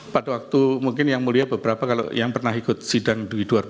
pada waktu mungkin yang mulia beberapa yang pernah ikut sidang dua ribu sembilan belas